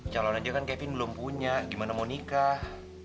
calon aja kan kevin belum punya gimana mau nikah